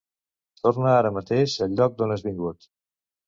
Torna ara mateix al lloc d'on has vingut!